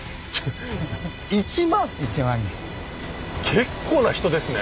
結構な人ですね。